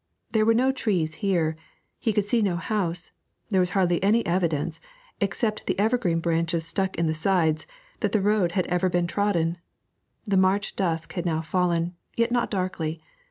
There were no trees here; he could see no house; there was hardly any evidence, except the evergreen branches stuck in the sides, that the road had ever been trodden. The March dusk had now fallen, yet not darkly.